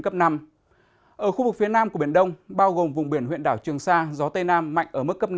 phía nam của biển đông bao gồm vùng biển huyện đảo trường sa gió tây nam mạnh ở mức cấp năm